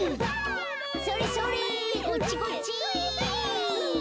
それそれこっちこっち。